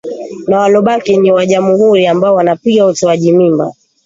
na walobaki ni Wanajamuhuri ambao wanapinga utoaji mimba